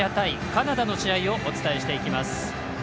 カナダの試合をお伝えしていきます。